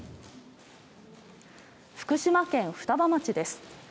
福島県双葉町です。